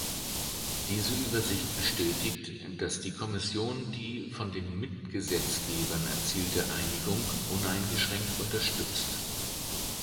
Diese Übersicht bestätigt, dass die Kommission die von den Mitgesetzgebern erzielte Einigung uneingeschränkt unterstützt.